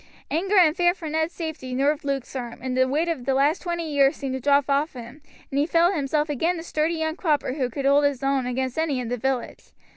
Anger and fear for Ned's safety nerved Luke's arm, the weight of the last twenty years seemed to drop off him, and he felt himself again the sturdy young cropper who could hold his own against any in the village.